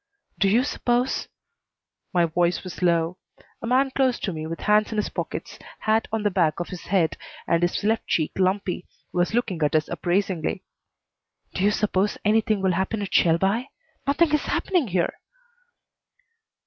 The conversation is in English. "Do you suppose " My voice was low. A man close to me, with hands in his pockets, hat on the back of his head, and his left cheek lumpy, was looking at us appraisingly. "Do you suppose anything will happen at Shelby? Nothing is happening here."